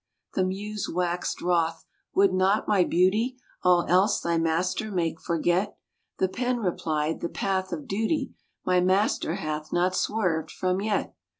The Muse waxed wroth: "Would not my beauty All else thy master make forget?" The Pen replied: "The path of duty My master hath not swerved from yet.